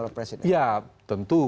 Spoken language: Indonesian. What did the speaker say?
oleh presiden ya tentu